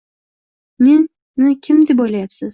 Meni kim deb o’ylayapsiz?